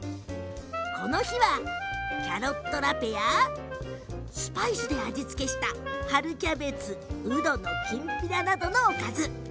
この日は、キャロットラぺやスパイスで味付けした春キャベツうどのきんぴらなどのおかずです。